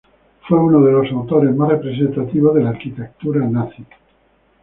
Fue uno de los autores más representativos de la Arquitectura nazi.